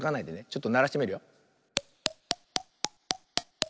ちょっとならしてみるよ。